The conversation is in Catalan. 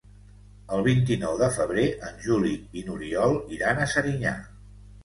El vint-i-nou de febrer en Juli i n'Oriol iran a Serinyà.